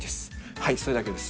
はい、それだけです。